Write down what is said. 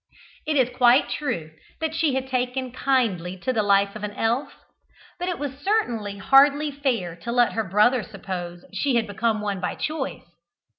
It is quite true that she had taken kindly to the life of an elf, but it was certainly hardly fair to let her brother suppose she had become one by choice.